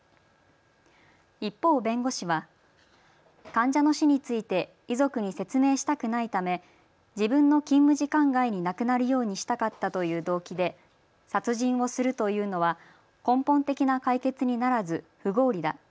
一方、弁護士は患者の死について遺族に説明したくないため自分の勤務時間外に亡くなるようにしたかったという動機で殺人をするというのは根本的な解決にならず不合理だ。